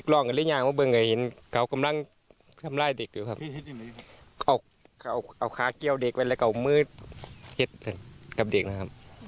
ระจ๊าว่าสวยกันหลายคนพวกนึงกับนั้น